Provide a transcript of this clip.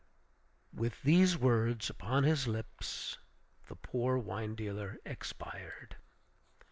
With these words upon his lips, the poor wine dealer expired.